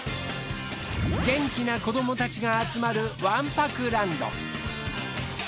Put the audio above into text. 元気な子どもたちが集まるわんぱくランド。